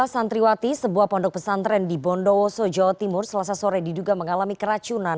dua santriwati sebuah pondok pesantren di bondowoso jawa timur selasa sore diduga mengalami keracunan